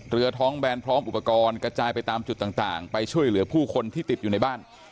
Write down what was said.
เรือท้องแบนพร้อมอุปกรณ์กระจายไปตามจุดต่างไปช่วยเหลือผู้คนที่ติดอยู่ในบ้าน